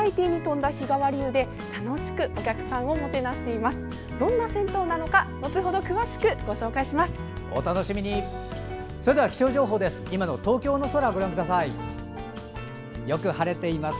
どんな銭湯なのか後ほど詳しくご紹介します。